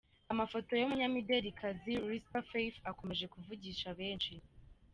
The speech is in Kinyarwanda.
Amafoto y’umunyamideli kazi Risper Faith akomeje kuvugisha benshi .